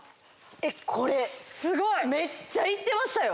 えっこれめっちゃ行ってましたよ。